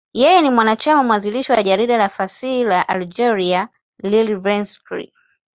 Yeye ni mwanachama mwanzilishi wa jarida la fasihi la Algeria, L'Ivrescq.